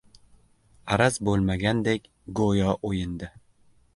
Araz bo‘lmagandek go‘yo o‘yinda…